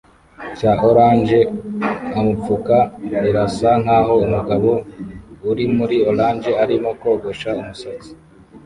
cya orange amupfuka birasa nkaho umugabo uri muri orange arimo kogosha umusatsi